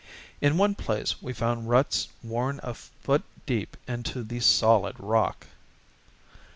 In one place we found ruts worn a foot deep into the solid rock.